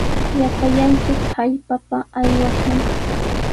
Llapallanchik hallpapa aywashun.